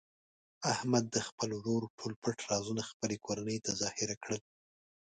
احمد د خپل ورور ټول پټ رازونه خپلې کورنۍ ته ظاهره کړل.